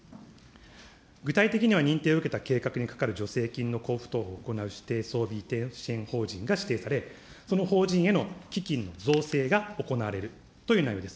具体的には認定を受けた計画にかかる助成金の交付等を行う指定装備移転法人が指定され、その法人への基金造成が行われるという内容です。